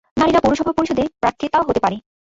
নারীরা পৌরসভা পরিষদে প্রার্থিতা হতে পারে।